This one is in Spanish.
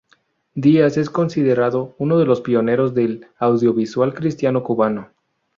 Díaz es considerado uno de los pioneros del audiovisual cristiano cubano.